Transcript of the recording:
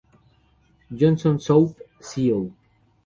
Johnson Soap Co.